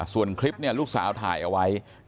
ส่วนคลิปลูกสาวถ่ายเอาไว้